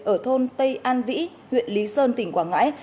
ở thôn tây an vĩ huyện lý sơn tỉnh quảng ngãi